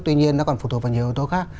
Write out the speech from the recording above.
tuy nhiên nó còn phụ thuộc vào nhiều ô tô khác